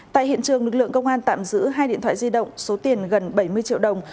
tại hiện trường lực lượng công an tạm giữ hai điện thoại di động số tiền gần bảy mươi triệu đồng